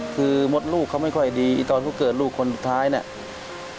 คือมดรูกเขาไม่ค่อยดีเตอะต้นผู้เกิดลูกคนท้ายเนี่ย